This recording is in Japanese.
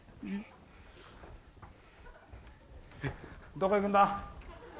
どこ行くんだ？